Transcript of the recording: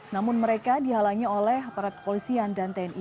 namun mereka dihalangi oleh aparat kepolisian dan tni